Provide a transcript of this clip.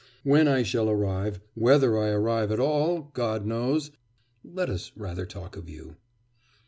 When I shall arrive whether I arrive at all God knows.... Let us rather talk of you.